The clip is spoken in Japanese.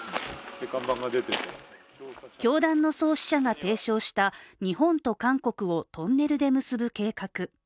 教団の創始者が提唱した日本と韓国をトンネルで結ぶ計画。